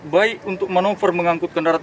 baik untuk manuver mengangkut kendaraan